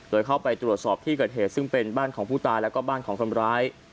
โดยเข้าไปตรวจสอบที่เกิดเหตุซึ่งเป็นบ้านของผู้ตายแล้วก็บ้านของคนร้าย